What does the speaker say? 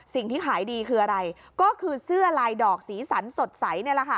สิ่งที่ขายดีคืออะไรก็คือเสื้อลายดอกสีสันสดใสนี่แหละค่ะ